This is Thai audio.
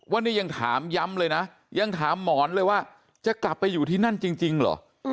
วันนี้ยังถามย้ำเลยนะยังถามหมอนเลยว่าจะกลับไปอยู่ที่นั่นจริงเหรอ